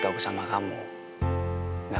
biar ada siapa siapa yang fian